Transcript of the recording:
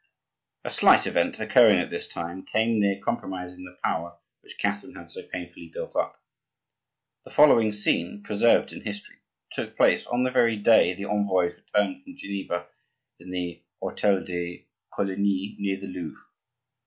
A slight event, occurring at this time, came near compromising the power which Catherine had so painfully built up. The following scene, preserved in history, took place, on the very day the envoys returned from Geneva, in the hotel de Coligny near the Louvre.